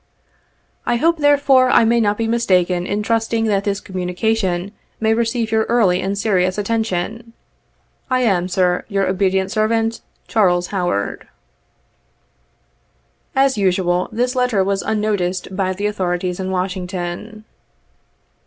" I hope, therefore, I may not be mistaken, in trusting that this communication may receive your early and serious attention. " I am sir, your obedient servant, " t CHARLES HOWARD." As usual, this letter was unnoticed by the authorities in Washington.